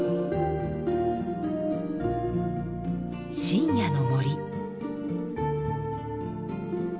深夜の森。